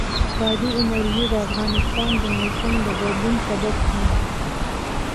بادي انرژي د افغانستان د موسم د بدلون سبب کېږي.